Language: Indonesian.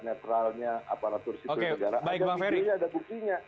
netralnya aparatur situasi negara